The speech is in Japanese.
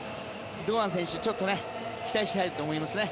堂安選手、ちょっと期待したいと思いますね。